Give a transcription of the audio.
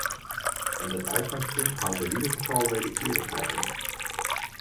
En dat uitgangspunt houdt in ieder geval wederkerigheid in.